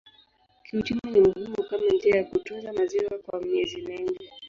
Kiuchumi ni muhimu kama njia ya kutunza maziwa kwa miezi mingi.